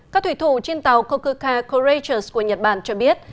các thủy thủ trên tàu kokuka courageous của nhật bản cho biết